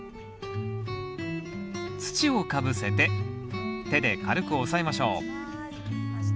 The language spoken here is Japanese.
土をかぶせて手で軽く押さえましょう。